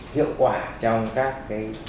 hiệu quả trong các cái